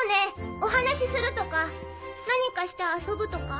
お話しするとか何かして遊ぶとか。